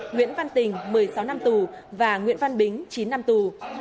nguyễn văn tình một mươi sáu năm tù và nguyễn văn bính chín năm tù